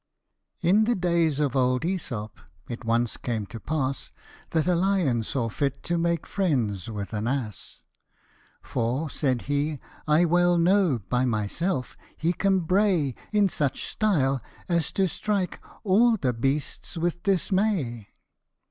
IN the days of old ^Esop, it once came to pass That a lion saw fit to make friends with an ass ;" For/' said he, " I well know, by myself, he can bray In such style as to strike all the beasts with dismay."